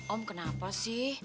om kenapa sih